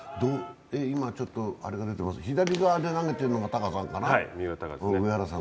今、左側で投げてるのが貴さんかな。